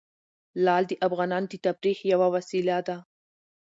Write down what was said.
لعل د افغانانو د تفریح یوه وسیله ده.